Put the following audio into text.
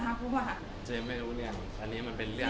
ก็เฉยนะครับเพราะว่าเจ๊ไม่รู้เนี่ยอันนี้มันเป็นเรื่อง